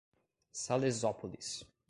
Salesópolis